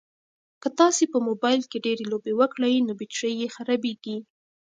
که تاسي په موبایل کې ډېرې لوبې وکړئ نو بېټرۍ یې خرابیږي.